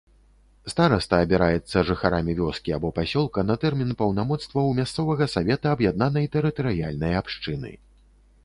Стараста абіраецца жыхарамі вёскі або пасёлка на тэрмін паўнамоцтваў мясцовага савета аб'яднанай тэрытарыяльнай абшчыны.